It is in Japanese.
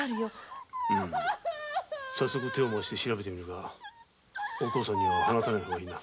早速手をまわして調べてみるがお幸さんには話さぬ方がいいな。